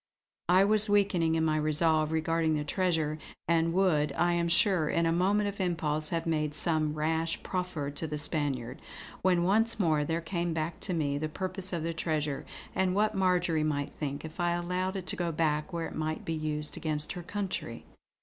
I was weakening in my resolve regarding the treasure, and would, I am sure, in a moment of impulse have made some rash proffer to the Spaniard; when once more there came back to me the purpose of the treasure, and what Marjory might think if I allowed it to go back where it might be used against her country.